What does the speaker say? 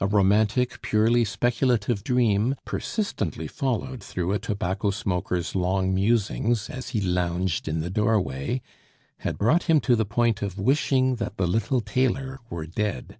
A romantic purely speculative dream, persistently followed through a tobacco smoker's long musings as he lounged in the doorway, had brought him to the point of wishing that the little tailor were dead.